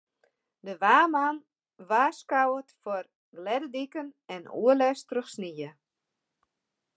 De waarman warskôget foar glêde diken en oerlêst troch snie.